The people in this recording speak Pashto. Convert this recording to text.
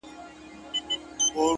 o ه چیري یې د کومو غرونو باد دي وهي؛